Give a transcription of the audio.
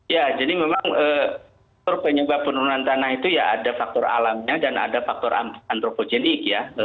ya jadi memang faktor penyebab penurunan tanah itu ya ada faktor alamnya dan ada faktor antropogenik ya